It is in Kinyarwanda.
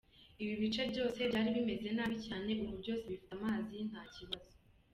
Ibi bice byose byari bimeze nabi cyane, ubu byose bifite amazi nta kibazo.